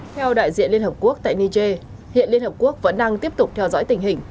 theo đại diện liên hợp quốc tại niger hiện liên hợp quốc vẫn đang tiếp tục theo dõi tình hình